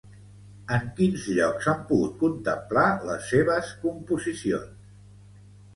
En quins llocs s'han pogut contemplar les seves composicions?